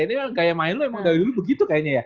ini kayak main lu emang dari dulu begitu kayaknya ya